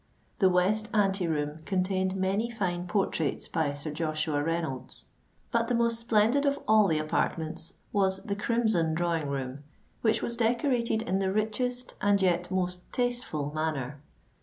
The west ante room contained many fine portraits by Sir Joshua Reynolds. But the most splendid of all the apartments was the Crimson Drawing room, which was decorated in the richest and yet most tasteful manner.